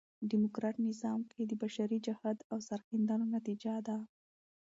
ډيموکراټ نظام کښي د بشري جهد او سرښندنو نتیجه ده.